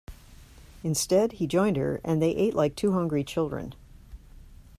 Instead, he joined her; and they ate like two hungry children.